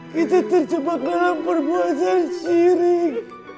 kita terjebak dalam perbuatan siring